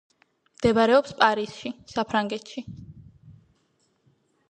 მდებარეობს პარიზში, საფრანგეთში.